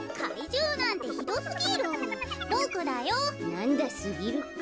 なんだすぎるか。